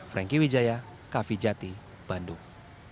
franky widjaya kavijati bandung